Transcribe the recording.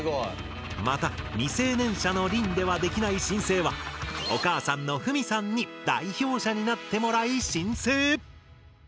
また未成年者のりんではできない申請はお母さんのふみさんに代表者になってもらい申請。